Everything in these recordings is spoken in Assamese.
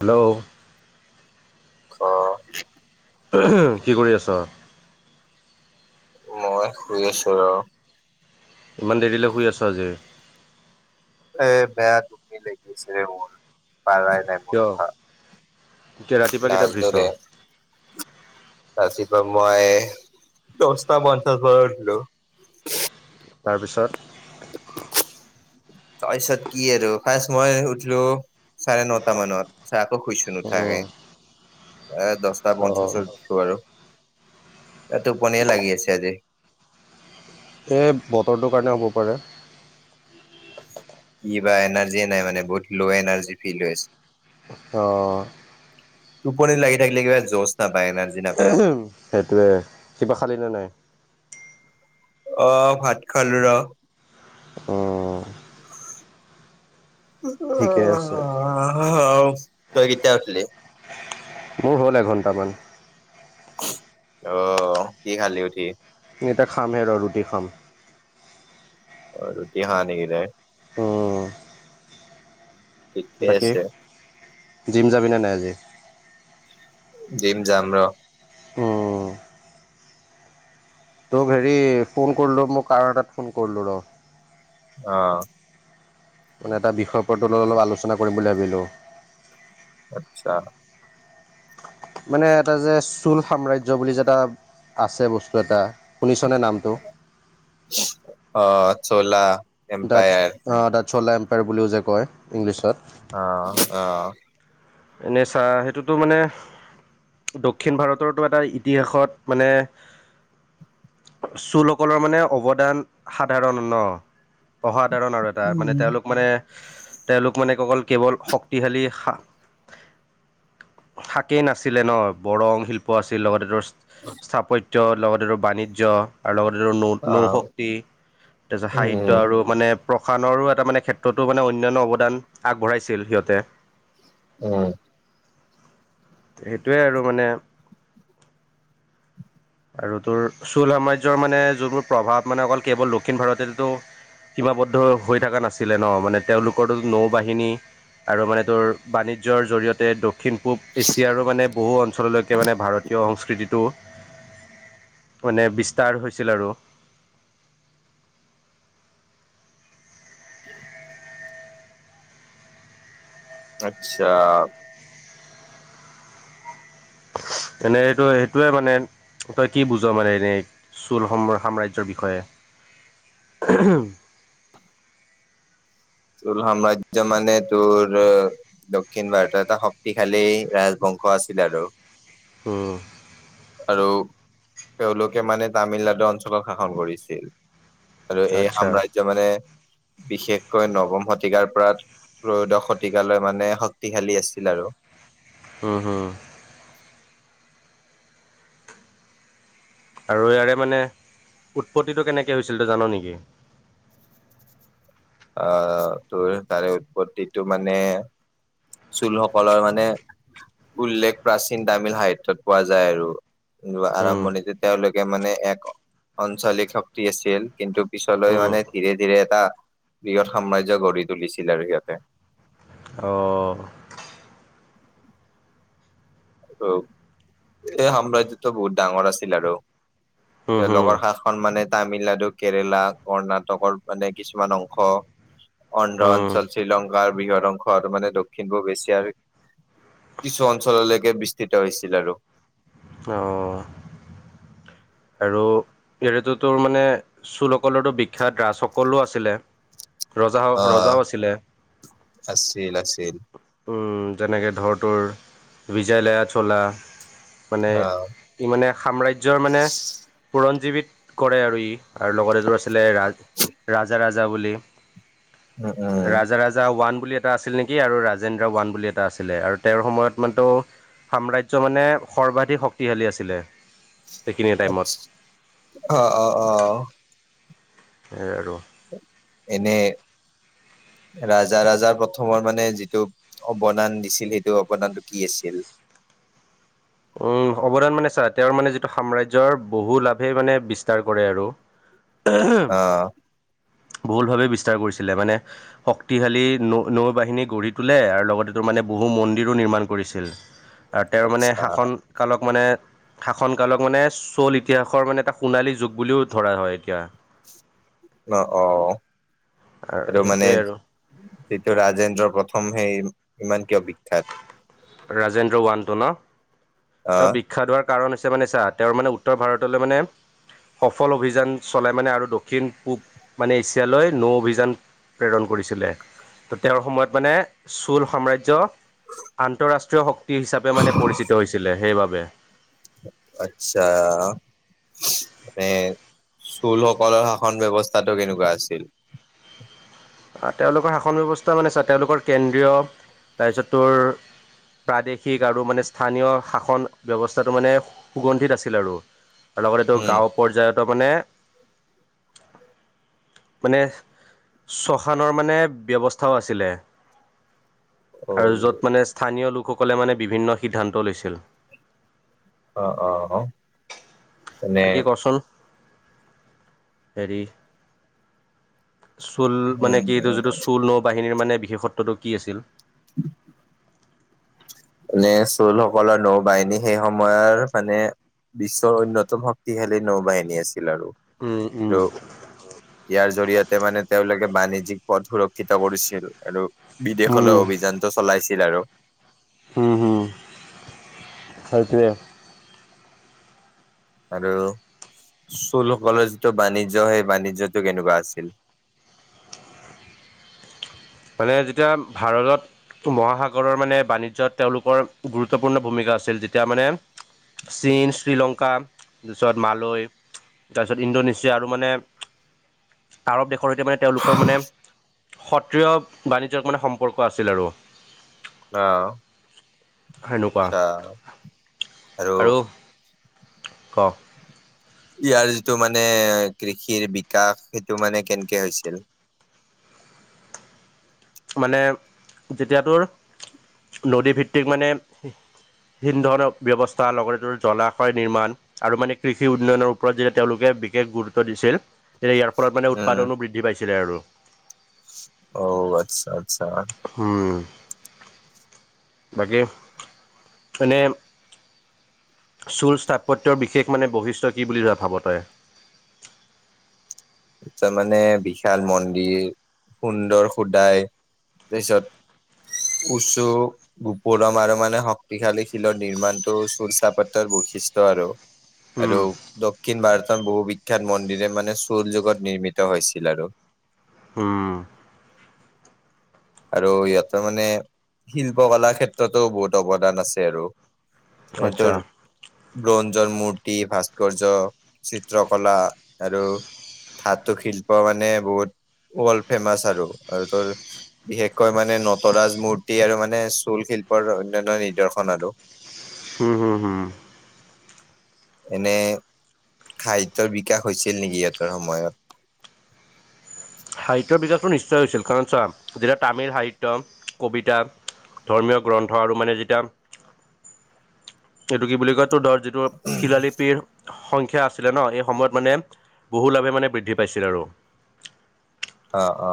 হেল্ল'! অ। কি কৰি আছ? মই শুই আছো ৰ। ইমান দেৰিলে শুই আছ আজি। এ, বেয়া টুপনি লাগি আছেৰে মোৰ, পাৰাই নাই। মোৰ কিয়? ৰাতিপুৱা কেইটাত উঠিছ? নাজনোৰে ৰাতিপুৱা মই দহটা পঞ্চাছ মানত উঠলো। তাৰপিছত! তাৰপিছত কি আৰু ফাৰ্ষ্ট মই উঠিলো। চাৰে নটা মানত [unintelligible] আকৌ শুইছো নুঠাকে এ দহ টা অঁ পঞ্চাছত উঠিলোঁ আৰু টোপনীয়েই লাগি আছে আজি। এই বতৰটোৰ কাৰণে হ'ব পাৰে। কিবা এনাৰ্জিয়ে নাই মানে, বহুত ল' এনাৰ্জি ফিল হৈ আছে। অ'। টোপনি লাগি থাকিলে কিবা যোচ নাপাই ন! সেইটোৱে, কিবা খালি নে নাই? অ', ভাত খালো ৰ। অঁ ঠিকে আছে তই কেতিয়া উঠিলি? মোৰ হ'ল এঘণ্টামান। অ', কি খালি উঠি? এই, এতিয়া খামহে ৰ, ৰুটি খাম। অ', ৰুটি খাৱ নেকি তই? উম ঠিকে বাকী, আছে, জিম যাবিনে নাই আজি? জিম জাম ৰ। উম তোক হেৰি, ফোন কৰিলোঁ মোক কাৰন এটাত ফোন কৰিলোঁ ৰ। অ'। মানে এটা বিষয়ৰ ওপৰত আলোচনা কৰিম বুলি ভাবিলো। আচ্ছা! মানে এটা যে চুল সাম্ৰাজ্য বুলি যে এটা আছে বস্তু এটা, শুনিচনে নাম টো। অ', ছোলা! দা অ, দা ছোলা এম্পায়াৰ বুলিও যে কয় ইংলিছত। অ', অ'। এনেই চা, সেইটোতো মানে দক্ষিণ ভাৰতৰতো এটা ইতিহাসত মানে চুলসকলৰ মানে অৱদান সাধাৰণ ন, অসাধাৰণ আৰু এ টাৰ মানে তেওঁলোক মানে, তেওঁলোক মানে অকল কেৱল শক্তিশালী শা শাকেই নাছিলে ন, বৰং শিল্প আছিল, লগতে তোৰ স্থাপত্য লগতে তোৰ বাণিজ্য আৰু লগতে অ', নৌ-নৌশক্তি, তাৰপিছত সাহিত্য উম, আৰু মানে প্ৰসাণৰো এটা মানে ক্ষেত্ৰতো মানে অন্যান্য অৱদান আগবঢ়াইছিল সিহঁতে। অ। সেটোৱে আৰু মানে আৰু তোৰ চ'ল সাম্ৰাজ্যৰ মানে যোনবোৰ প্ৰভাৱ মানে অকল কেৱল দক্ষিণ ভাৰতেতেটো সীমাবদ্ধ হৈ থকা নাছিলে ন মানে তেওঁলোকৰো নৌ-বাহিনী আৰু মানে তোৰ বাণিজ্যৰ জৰি়য়তে তো দক্ষিণ-পূৱ এছিয়াৰো মানে বহু অঞ্চললৈকে মানে ভাৰতীয় সংস্কৃতিটো মানে বিস্তাৰ হৈছিল আৰু। আচ্ছা। এনে সেইটো সেইটোয়ে মানে তই কি বুজ মানে এনেই? চ'ল সাম্ৰাজ্যৰ বিষয়ে? চ'ল সাম্ৰাজ্য মানে তোৰ দক্ষিণ ভাৰতৰ এটা শক্তিশালী ৰাজবংশ আছিল আৰু। উম। আৰু তেওঁলোকে মানে তামিলনাডু অঞ্চলত শাসন কৰিছিল। আৰু এই আচ্ছা সাম্ৰাজ্য মানে বিশেষ কৈ নৱম শতিকাৰ পৰা ত্ৰয়োদশ শতিকালৈ মানে শক্তিশালী আছিল আৰু। উম হুম। আৰু ইয়াৰে মানে উৎপত্তিটো কেনেকৈ হৈছিল তই জান নেকি? অ তোৰ তাৰে উৎপত্তিটো মানে চুলসকলৰ মানে উল্লেখ প্ৰাচীন তামিল সাহিত্যত পোৱা যায় আৰু। উম, আৰম্ভণিতে তেওঁলোকে মানে এক আঞ্চলিক শক্তি আছিল কিন্তু পিছলৈ উম, মানে ধীৰে ধীৰে এটা বৃহৎ সাম্ৰাজ্য গঢ়ি তুলিছিল আৰু সিহঁতে। অ। আৰু সেই সাম্ৰাজ্যটো বহুত ডাঙৰ আছিল আৰু হুম, হুম, তেওঁলোকৰ সা মানে তামিলনাডু, কেৰেলা, কৰ্ণাটকৰ মানে কিছুমান অংশ অন্ধ্ৰ উম, অঞ্চল, শ্ব্ৰীলং তাৰ বৃহৎ অংশ হোৱাটো মানে দক্ষিণ পূব এছিয়াৰ কিছু অঞ্চললৈকে কে বিস্তৃত হৈছিল আৰু। অ আৰু এনেইটো তোৰ মানে চুলসকলৰটো বিখ্যাত ৰাজসকলো আছিলে ৰজা অ' ৰজাও আছিলে। আছিল আছিল। উম যেনেকে ধৰ তোৰ বিজয় লয়া চোলা। মানে আহ ই মানে সাম্ৰাজ্যৰ মানে পুৰঞ্জীৱিত কৰে আৰু ই। আৰু লগতে তোৰ আছিলে ৰাজা ৰাজা বুলি। উম উম ৰাজা ৰাজা ওৱান বুলি এটা আছিল নি কি আৰু ৰাজেন্দ্ৰ ওৱান বুলি এটা আছিলে আৰু তেওঁৰ সময়ত মানে তোৰ সাম্ৰাজ্য মানে সৰ্বাধিক শক্তিশালী আছিলে সেইখিনি টাইমত। আচ্ছ- অ অ অ। সেইয়াই আৰু। এনেই ৰাজা ৰাজাৰ প্ৰথমৰ মানে যিটো অৱদান দিছিল সেইটো অৱদানটো কি আছিল? উম অৱদান মানে চা তেওঁৰ মানে যিটো সাম্ৰাজ্যৰ বহু লাভে মানে বিস্তাৰ কৰে আৰু। অ বহুলভাৱে বিস্তাৰ কৰিছিলে মানে শক্তিশালী নৌ-বাহিনী গঢ়ি তোলে আৰু লগতে তাৰ মানে বহু মন্দিৰো নিৰ্মাণ কৰিছিল। উ [inaudible] তাতে আৰু মানে শাসনকালক মানে শাসন কালক মানে চ'ল ইতিহাসৰ মানে এটা সোণালী যুগ বুলিও ধৰা হয় এতিয়া অ অ আৰু এইটো সেইটোৱে মানেজ আৰু যিটো ৰাজেন্দ্ৰৰ প্ৰথম সেই ইমান কিয় বিখ্যাত ৰাজেন্দ্ৰ ওৱানটো ন ত আহ বি খ্যাত হোৱাৰ কাৰণ হৈছে মানে চা তেওঁৰ মানে উত্তৰ ভাৰতলৈ মানে সফল অভিযান চলোই মানে আৰু দক্ষিণ পূব মানে এছিয়ালৈ নৌ অভিযান প্ৰেৰণ কৰিছিলে ত তেওঁৰ সময়ত মানে চোল সাম্ৰাজ্য আন্তঃৰাষ্ট্ৰীয় শক্তি হিচাপে মানে পৰিচিত হৈছিলে সেইবাবে আচ্ছা মানে চুলসকলৰ শাসন ব্যৱস্থাতটো কেনেকুৱা আছিল আ তেওঁলোকৰ শাসন ব্যৱস্থা মানে চা তেওঁলোকৰ কেন্দ্ৰীয় ৰাজ্যটোৰ প্ৰাদেশিক আৰু মানে স্থানীয় শাসন ব্যৱস্থাটো মানে সুগন্ধিত আছিল আৰু আৰু লগতে তটো উম গাঁও পৰ্যায়তো মানে মানে শশানৰ মানে ব্যৱস্থাও আছিলে অ আৰু য'ত মানে স্থানীয় লোকসকলে মানে বিভিন্ন সিদ্ধান্ত লৈছিল অ অ অ মানে বাকি কচোন হেৰি চোল মানে কি উম এইটো যিটো চোল বাহিনীৰ মানে বিশেষত্বটো কি আছিল [inaudible] মানে চুলসকলৰ নৌ বাহিনী সেই সময়ৰ মানে বিশ্বৰ অন্যতম শক্তিশালী নৌ বাহিনী আছিল আৰু উম উম আৰু ইয়াৰ জৰিয়তে মানে তেওঁলোকে বাণিজ্যিক পথ সুৰক্ষিত কৰিছিল আৰু বিদেশলৈ উম অভিযানটো চলাইছিল আৰু হু হুত সেইটোৱে আৰু চুলসকলৰ যিটো বাণিজ্য সেই বাণিজ্যটো কেনেকুৱা আছিল মানে যেতিয়া ভাৰতত মহাসাগৰৰ মানে বাণিজ্যত তেওঁলোকৰ গুৰুত্বপূৰ্ণ ভূমিকা আছিল যেতিয়া মানে চীন শ্ৰীলংকা পিছত মালৈ তাৰপিছত ইণ্ডোনেছিয়া আৰু মানে আৰৱ দেশৰ সৈতে মানে তেওঁলোকৰ মানে সত্ৰিয় বাণিজ্যক মানে সম্পৰ্ক আছিল আৰু অ আচ্ছা সেনুকুৱা আৰু ক ইয়াৰ যিটো মানে কৃষিৰ বিকাশ সেইটো মানে কেনকে হৈছিল মানে যেতিয়া তোৰ নদী ভিত্তিক মানে সিন্ধৰনৰ ব্যৱস্থা লগতে টোৰ জলাশয় নিৰ্মাণ আৰু মানে কৃষি উন্নয়নৰ ওপৰত যেতিয়া তেওঁলোকে বিশেষ গুৰুত্ব দিছিল এতিয়া ইয়াৰ ফলত মানে উৎপাদনো বৃদ্ধি পাইছিলে আৰু অউ আচ্ছা আচ্ছা হুম বাকী এনেই চুল স্থাপত্যৰ বিশেষ মানে বৈশিষ্ট্য কি বুলি এ ভাব তই এতিয়া মানে বিশাল মন্দিৰ সুন্দৰ শোদাই তাৰপিছত উচু গুপুৰম আৰু মানে শক্তিশালী শিলৰ নিৰ্মাণটো চুল চাপত্ৰৰ বৈশিষ্ট আৰু। উম আৰু দক্ষিণ ভাৰতৰ বহু বিখ্যাত মন্দিৰে মানে চুৰ যুগত নিৰ্মিত হৈছিল আৰু। উম আৰু ইহতেৰ মানে শিল্প কাৰ ক্ষেত্ৰতোও বহুত অৱদান আছে আৰু। আচ্ছা ইহঁতৰ ব্ৰঞ্জৰ মূৰ্তি, ভাস্কৰ্য, চিত্ৰকলা আৰু ধাতু শিল্প মানে বহুত ৱৰ্ল্ড ফেমাচ আৰু। আৰু তোৰ বিশেষকৈ মানে নটৰাজ মূৰ্তি আৰু মানে চুল শিল্পৰ অনান্য নিৰ্দেশন আৰু। হম হুম হুম। এনে খাদ্যৰ বিকাশ হৈছিল নেকি ইহঁতৰ সময়ত? সাহিত্যৰ বিকাশটো নিশ্চয় হৈছিল, কাৰণ চোৱা যেতিয়া তামিল সাহিত্য, কবিতা ধৰ্মীয় গ্ৰন্থ আৰু মানে যেতিয়া, এইটো কি বুলি কয়? তোৰ ধৰ তৰ শিলালিপিৰ সংখ্যা আছিলে ন এই সময়ত মানে বহু লাভে মানে বৃদ্ধি পাইছিল আৰু। অ অ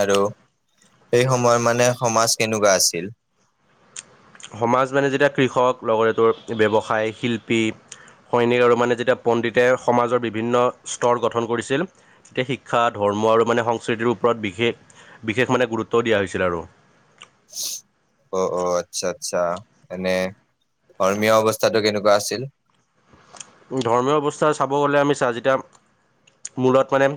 আৰু সেই সময়ত মানে সমাজ কেনেকুৱা আছিল? সমাজ মানে যেতিয়া কৃষক লগতে তোৰ ব্যৱসায়, শিল্পী, সৈনিক আৰু মানে যেতিয়া পণ্ডিতে সমাজৰ বিভিন্ন স্তৰ গঠন কৰিছিল তেতিয়া শিক্ষা, ধৰ্ম আৰু মানে সংস্কৃতিৰ ওপৰত বিশেষ বিশেষ মানে গুৰুত্ব দিয়া হৈছিল আৰু। অ অ আচ্ছা আচ্ছা। এনে ধৰ্মীয় অৱস্থাটো কেনেকুৱা আছিল? ধৰ্মীয় অৱস্থা চাব গ'লে আমি চা যেতিয়া মূৰত মানে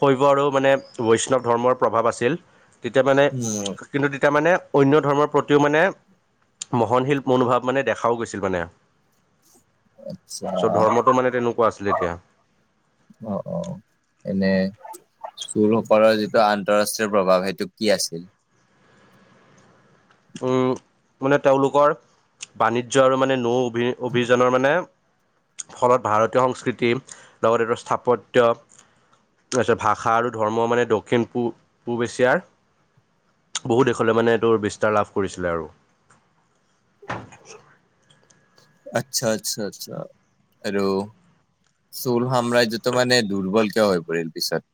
শৈৱ আৰু মানে বৈষ্ণৱ ধৰ্মৰ প্ৰভাৱ আছিল তেতিয়া মানে উম, কিন্তু তেতিয়া মানে অন্য ধৰ্মৰ প্ৰতিও মানে মহনশীল মনোভাৱ মানে দেখাও গৈছিল মানে। আচ্ছা, চ' ধৰ্মতটো মানে তেনেকুৱা আছিলে তেতিয়া। অ অ। এনে চোৰসকলৰ যিটো আন্তৰাষ্ট্ৰীয় প্ৰভাৱ সেইটো কি আছিল? উম মানে তেওঁলোকৰ বাণিজ্য আৰু মানে নৌ ভি-অভিযানৰ মানে ফলত ভাৰতীয় সংস্কৃতি, লগতেটো স্থাপত্য ভাষা আৰু ধৰ্ম মানে দক্ষিণ পূ-পূব এছিয়াৰ বহু দেশলে মানে তোৰ বিস্তাৰ লাভ কৰিছিলে আৰু। আচ্ছা-আচ্ছা-আচ্ছা। আৰু চোল সাম্ৰাজ্যতটো মানে দুৰ্বল কিয় হৈ পৰিল পিছত?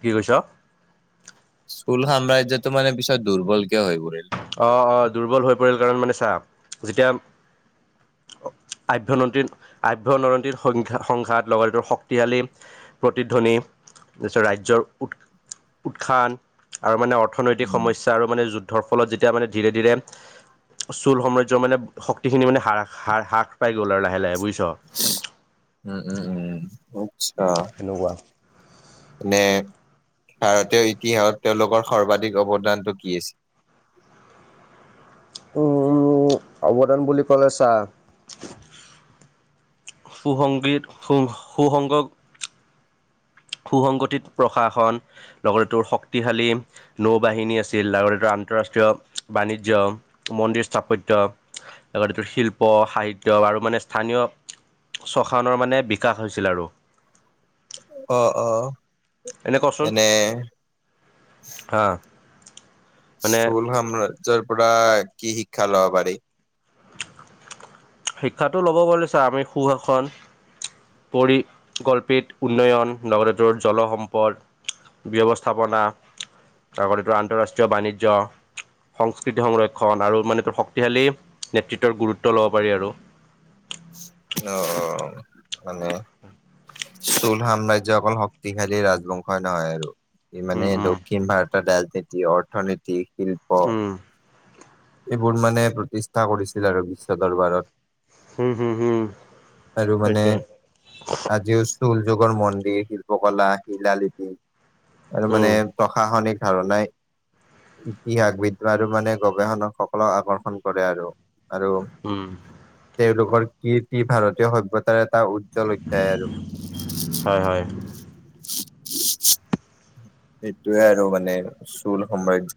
কি কৈছো? চোল সাম্ৰাজ্যতটো মানে পিছত দুৰ্বলকে হৈ পৰিল? অ অ দুৰ্বল হৈ পৰিল কাৰণ মানে চা, যেতিয়া আভ্যণ আভ্যয়ন্তৰীন সং সংঘাত, লগতে শক্তিশালী প্ৰতিধ্বনি, তাৰপিছত ৰাজ্যৰ উৎ-উৎখান আৰু মানে অৰ্থনৈতিক উম, সমস্যা আৰু মানে যুদ্ধৰ ফলত যেতিয়া মানে ধীৰে ধীৰে চোল সাম্ৰাজ্য মানে শক্তিখিনি মানে হ-হা-হাৰ-হ্ৰাস পাই গ'ল আৰু লাহে লাহে বুজছো? উম উম উম আচ্ছা। সেনেকুৱা নে ভাৰতীয় ইতিহাসত তেওঁলোকৰ সৰ্বাধিক অৱদানটো কি আছে? উ উ অৱদান বুলি ক'লে চা সু সংগীত, সু-সুসংগ সুসংগঠিত প্ৰশাসন, লগতে তোৰ শক্তিশালী নৌ বাহিনী আছিল লগতে আন্তঃৰাষ্ট্ৰীয় বাণিজ্য, মন্দিৰ স্থাপত্য লগতে তোৰ শিল্প, সাহিত্য আৰু মানে স্থানীয় শশানৰ মানে বিকাশ হৈছিল আৰু। অ' অ'। এনে কৰচোন? হা মানে চোল সাম্ৰাজ্যৰ পৰা কি শিক্ষা লব পাৰি? শিক্ষাটো ল'ব পাৰিলে চা আমি সুশাসন পৰিকল্পিত, উন্নয়ন নহ'লে তোৰ জলসম্পদ ব্যৱস্থাপনা লগত এইটো আন্তঃৰাষ্ট্ৰীয় বাণিজ্য সংস্কৃতি সংৰক্ষণ আৰু মানে শক্তিশালী নেতৃত্বৰ গুৰুত্ব ল'ব পাৰি আৰু। অ' মানে? চোল সাম্ৰাজ্য অকল শক্তিশালী ৰাজবংশই নহয় আৰু ই উম মানে উম দক্ষিণ ভাৰতৰ ৰাজনীতি, অৰ্থনীতি, শিল্প উম। এইবোৰ মানে প্ৰতিষ্ঠা কৰিছিল আৰু বিশ্ব দৰবাৰত। হম হম হম আৰু মানে সেইটোৱে আজিও চোল যুগৰ মন্দিৰ, শিল্পকলা শিলালিপি, আৰু মানে উম প্ৰশাসনিক ধাৰণাই ইতিহাসবিদ আৰু মানে গৱেষণক সকলক আকৰ্ষণ কৰে আৰু আৰু উম। তেওঁলোকৰ কীৰ্তি ভাৰতীয় সভ্যতাৰ এটা উজ্জ্বল অধ্যায় আৰু। হয় হয়। [inaudible] সেইটোয়ে আৰু মানে চোল সাম্ৰজ